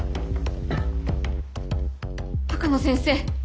鷹野先生